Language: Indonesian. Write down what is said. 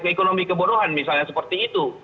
ekonomi kebunuhan misalnya seperti itu